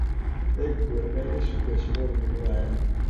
D ayyuren aya seg wasmi ur mluɛan.